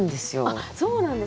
あっそうなんですね。